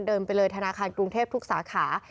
เดินไปเลยธนาคารกรุงเทพทุกสาขา